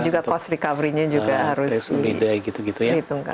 dan juga cost recovery nya juga harus dihitungkan